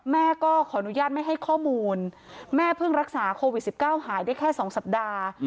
แม่ก็ขออนุญาตไม่ให้ข้อมูลแม่เพิ่งรักษาโควิด๑๙หายได้แค่๒สัปดาห์